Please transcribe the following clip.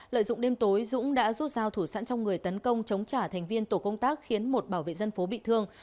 lợi dụng đêm tối dũng đã rút rao thủ sẵn trong người tấn công chống trả thành viên tổ công tác khiến một bảo vệ dân phố bị thương